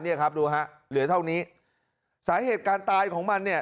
เนี่ยครับดูฮะเหลือเท่านี้สาเหตุการตายของมันเนี่ย